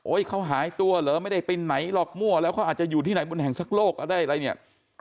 เขาหายตัวเหรอไม่ได้ไปไหนหรอกมั่วแล้วเขาอาจจะอยู่ที่ไหนบนแห่งสักโลกได้อะไรเนี่ย